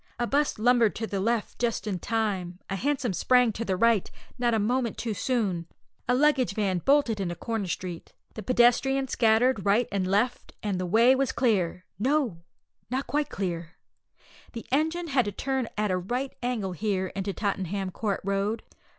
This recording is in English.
A 'bus lumbered to the left just in time; a hansom sprang to the right, not a moment too soon; a luggage van bolted into Crown Street; the pedestrians scattered right and left, and the way was clear no, not quite clear! The engine had to turn at a right angle here into Tottenham Court Road.